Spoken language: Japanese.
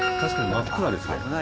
真っ暗ですね。